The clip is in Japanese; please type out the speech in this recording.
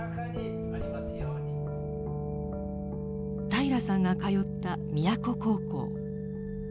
平良さんが通った宮古高校。